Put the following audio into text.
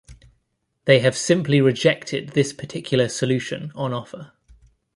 They have simply rejected this particular solution on offer.